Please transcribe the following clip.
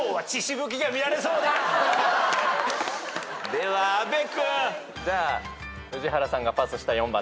では阿部君。じゃあ宇治原さんがパスした４番。